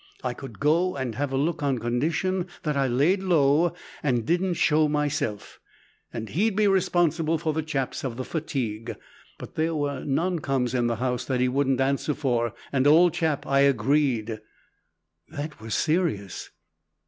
I could go and have a look on condition that I laid low and didn't show myself, and he'd be responsible for the chaps of the fatigue, but there were non coms. in the house that he wouldn't answer for and, old chap, I agreed!" "That was serious."